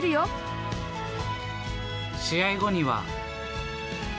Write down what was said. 試合後には。